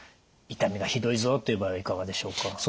痛みがひどいぞという場合はいかがでしょうか？